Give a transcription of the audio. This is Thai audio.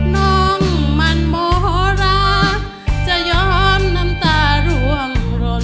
น้องมันโมโหราจะยอมน้ำตาร่วงรน